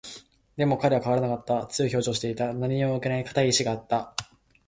でも、彼は変わらなかった。強い表情をしていた。何にも負けない固い意志があった。